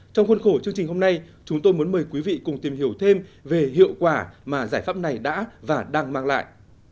trong khuôn khổ chương trình hôm nay chúng tôi muốn mời quý vị cùng tìm hiểu thêm về hiệu quả mà giải pháp này đã và đang mang lại